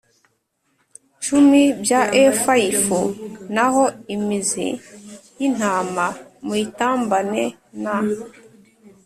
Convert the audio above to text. cumi bya efa y ifu naho im zi y intama muyitambane na